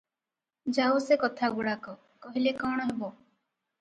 ଯାଉ ସେ କଥାଗୁଡ଼ାକ - କହିଲେ କଣ ହେବ?